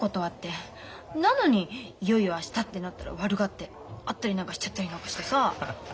なのにいよいよ明日ってなったら悪がって会ったりなんかしちゃったりなんかしてさ。